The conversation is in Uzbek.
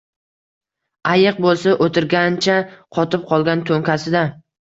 Ayiq bo’lsa o’tirgancha, qotib qolgan to’nkasida